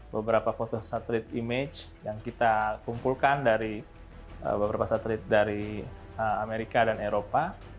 beberapa foto satelit image yang kita kumpulkan dari beberapa satelit dari amerika dan eropa